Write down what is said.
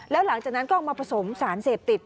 แล้วหลังจากนั้นก็เอามาผสมสารเสพติด